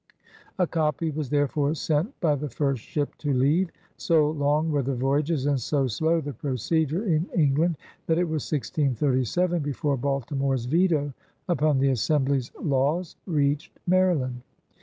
A copy was therefore sent by the first ship to leave. So long were the voyages and so slow the procedure in England that it was 1687 before Baltimore's veto upon the Assembly's laws reached Maryland.